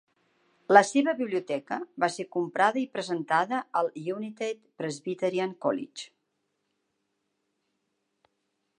La seva biblioteca va ser comprada i presentada al United Presbyterian College.